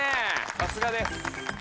さすがです。